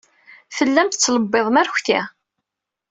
Tellam tettlebbiḍem arekti.